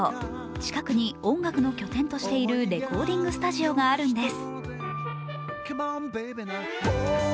近くに音楽の拠点としているレコーディングスタジオがあるんです。